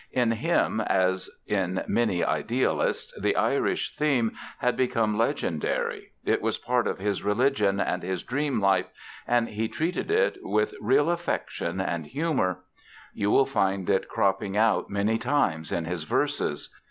In him, as in many idealists, the Irish theme had become legendary, it was part of his religion and his dream life, and he treated it with real affection and humor. You will find it cropping out many times in his verses.